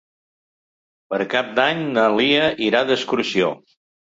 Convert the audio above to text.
Per Cap d'Any na Lia irà d'excursió.